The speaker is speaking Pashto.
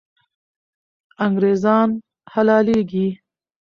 انګریزان حلالېږي.